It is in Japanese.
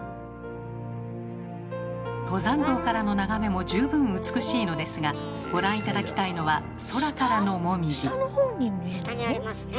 登山道からの眺めも十分美しいのですがご覧頂きたいのは空からのもみじ。